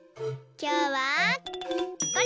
きょうはこれ！